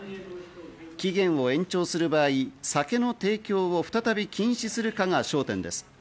期限を延長する場合、酒の提供を再び禁止するかが焦点です。